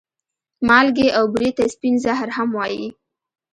مالګې او بورې ته سپين زهر هم وايې